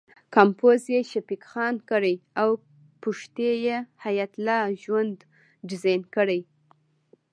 کمپوز یې شفیق خان کړی او پښتۍ یې حیات الله ژوند ډیزاین کړې.